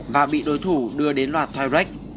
và bị đối thủ đưa đến loạt thoai rách